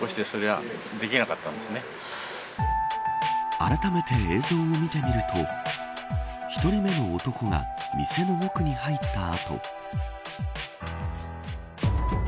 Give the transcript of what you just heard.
あらためて映像を見てみると１人目の男が店の奥に入った後。